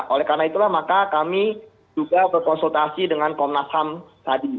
oleh karena itulah maka kami juga berkonsultasi dengan komnas ham tadi